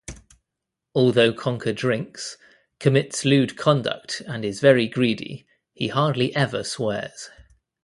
Although Conker drinks, commits lewd conduct, and is very greedy, he hardly ever swears.